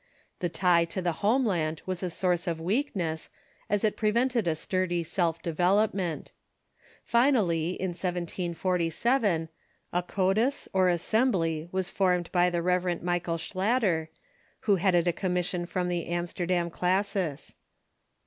The tie to the home land Avas a source of weakness, as it prevented a sturdy self development. Finally, in 1747, a coetus, or assembly, was formed by the Rev. Michael Schlatter, who headed a commission from the Amsterdam Clas sis.